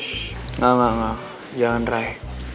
shhh gak gak gak jangan ray